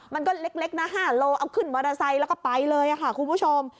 มันก็เล็กนะ๕โลเอาขึ้นมอเตอร์ไซค์แล้วก็ไปเลยค่ะคุณผู้ชม